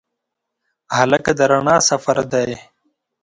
هلک د رڼا سفر دی.